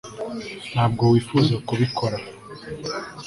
ntabwo wifuza kubikora